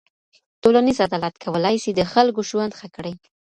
ټولنیز عدالت کولای سي د خلګو ژوند ښه کړي.